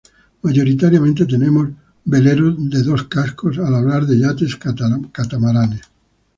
Mayoritariamente tenemos veleros de dos cascos al hablar de yates catamaranes.